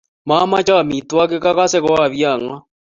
Mamoche amitwogik agase ko apiong'ot.